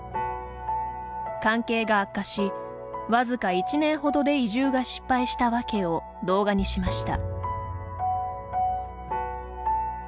関係が悪化し、わずか１年ほどで移住が失敗したわけを動画にしました。